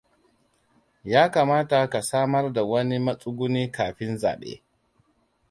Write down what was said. Ya kamata ka samar da wani matsuguni kafin zaɓe.